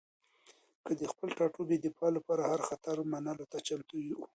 هغه د خپل ټاټوبي د دفاع لپاره هر خطر منلو ته چمتو و.